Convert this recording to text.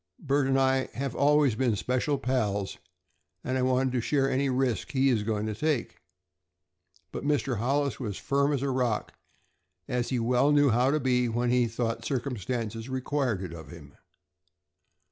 "Bert and I have always been special pals, and I wanted to share any risk he is going to take." But Mr. Hollis was firm as a rock, as he well knew how to be when he thought circumstances required it of him.